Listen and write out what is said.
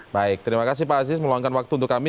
baik terima kasih pak aziz meluangkan waktu untuk kami